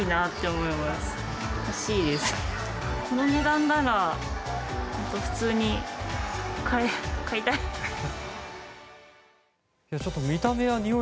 この値段なら普通に買いたい。